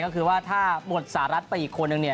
ก็คือว่าถ้าหมดสหรัฐไปอีกคนนึงเนี่ย